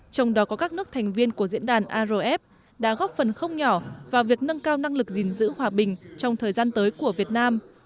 trong đó có các nước thành viên của diễn đàn arf đã góp phần không nhỏ vào việc nâng cao năng lực gìn giữ hòa bình trong thời gian tới của việt nam